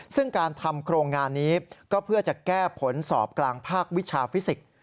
ซึ่งการทำโครงงานนี้ก็เพื่อจะแก้ผลสอบกลางภาควิชาฟิสิกส์